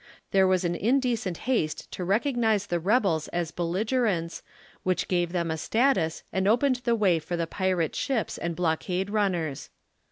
There was an indecent haste to recog nize tlie rebels as belligerents, which gave them a status and opened the way for the pirate ships and blockade runners.